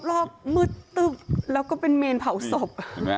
รอบมืดตึ๊บแล้วก็เป็นเมนเผาศพ